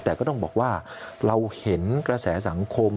แต่ก็ต้องบอกว่าเราเห็นกระแสสังคม